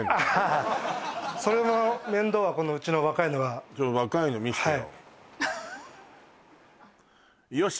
はいそれの面倒はうちの若いのが若いの見せてよ